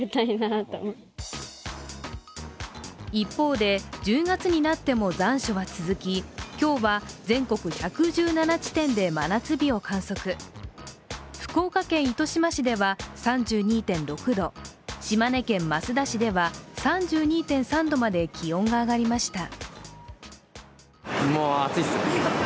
一方で、１０月になっても残暑は続き、今日は全国１１７地点で真夏日を観測福岡県糸島市では３２．６度、島根県益田市では３２．３度まで気温が上がりました。